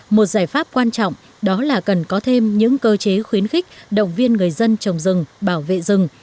một giải pháp quan trọng đó là cần có thêm những cơ chế khuyến khích động viên người dân trồng rừng bảo vệ rừng